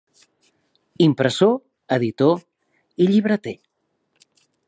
Impressor, editor i llibreter.